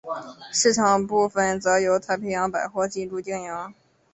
商场部份则由太平洋百货进驻经营。